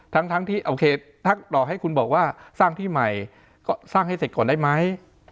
ถ้าตอบให้คุณบอกว่าสร้างที่ใหม่ก็สร้างให้เสร็จก่อนได้ไหม